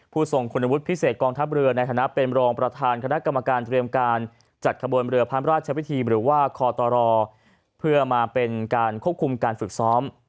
ทรงคุณวุฒิพิเศษกองทัพเรือในฐานะเป็นรองประธานคณะกรรมการเตรียมการจัดขบวนเรือพระราชวิธีหรือว่าคอตรเพื่อมาเป็นการควบคุมการฝึกซ้อม